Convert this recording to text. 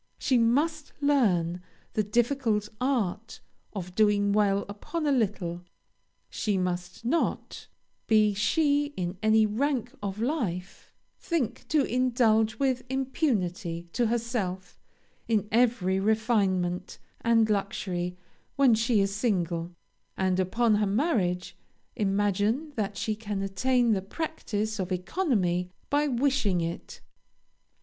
She must learn the difficult art of doing well upon a little. She must not, be she in any rank of life, think to indulge with impunity to herself in every refinement and luxury when she is single; and, upon her marriage, imagine that she can attain the practice of economy by wishing it.